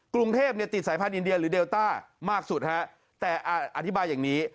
กรุงเทพเนี่ยติดสายพันธุอินเดียหรือเดลต้ามากสุดฮะแต่อธิบายอย่างนี้